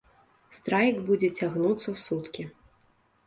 Страйк будзе цягнуцца суткі.